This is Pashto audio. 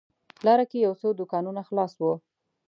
لاره کې یو څو دوکانونه خلاص و.